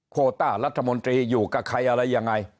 โคต้ารัฐมนตรีอยู่กับใครอะไรยังไง